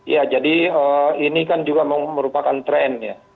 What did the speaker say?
ya jadi ini kan juga merupakan tren ya